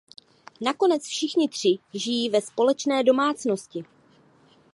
Nakonec všichni tři žijí ve společné domácnosti.